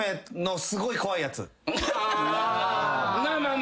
あ。